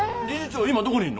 今どこにいんの？